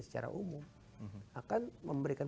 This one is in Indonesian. secara umum akan memberikan